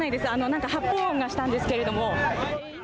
何か発砲音がしたんですけれども。